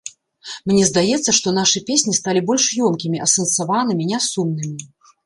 Мне здаецца, што нашы песні сталі больш ёмкімі, асэнсаванымі, нясумнымі.